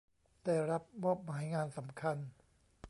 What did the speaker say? ได้รับมอบหมายงานสำคัญ